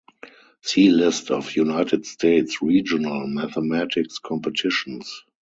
See List of United States regional mathematics competitions.